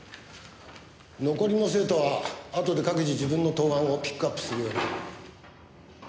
残りの生徒はあとで各自自分の答案をピックアップするように。